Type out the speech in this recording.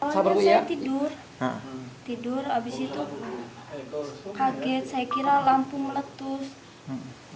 waktu itu saya tidur tidur habis itu kaget saya kira lampu meletup